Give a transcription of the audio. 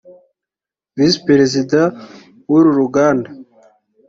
Visi Perezida w’uru ruganda